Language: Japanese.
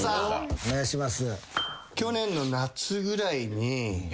お願いします。